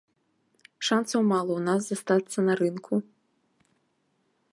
Шанцаў мала ў нас застацца на рынку.